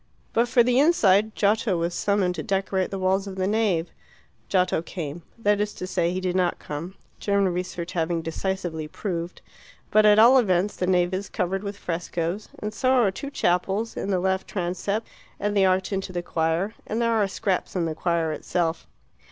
But for the inside Giotto was summoned to decorate the walls of the nave. Giotto came that is to say, he did not come, German research having decisively proved but at all events the nave is covered with frescoes, and so are two chapels in the left transept, and the arch into the choir, and there are scraps in the choir itself.